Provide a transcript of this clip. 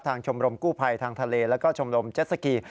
ชมรมกู้ภัยทางทะเลแล้วก็ชมรมเจ็ดสกี